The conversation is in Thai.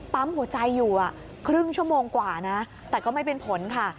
ปั๊มหัวใจอยู่ครึ่งชั่วโมงกว่านะแต่ก็ไม่เป็นผลค่ะ